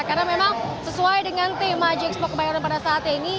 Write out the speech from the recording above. karena memang sesuai dengan tema jxpok mayoran pada saat ini